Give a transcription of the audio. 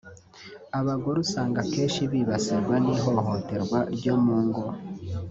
Abagore usanga kenshi bibasirwa n’ihohoterwa ryo mu ngo